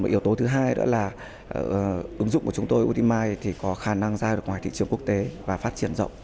một yếu tố thứ hai đó là ứng dụng của chúng tôi utimai thì có khả năng ra ngoài thị trường quốc tế và phát triển rộng